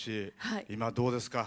今、どうですか？